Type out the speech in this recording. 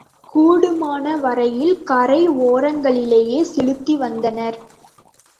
கூடுமான வரையில் கரை ஒரங்களிலேயே செலுத்தி வந்தனர்.